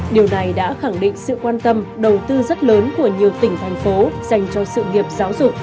điều này đã khẳng định sự quan tâm đầu tư rất lớn của nhiều tỉnh thành phố dành cho sự nghiệp giáo dục